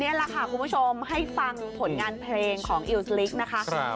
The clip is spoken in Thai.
นี่แหละค่ะคุณผู้ชมให้ฟังผลงานเพลงของอิวสลิกนะคะ